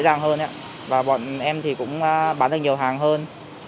có thể mua hàng dễ dàng hơn và bọn em thì cũng bán được nhiều hàng hơn